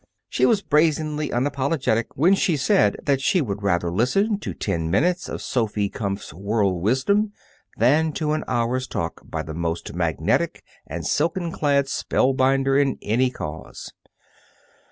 She was brazenly unapologetic when she said that she would rather listen to ten minutes of Sophy Kumpf's world wisdom than to an hour's talk by the most magnetic and silken clad spellbinder in any cause.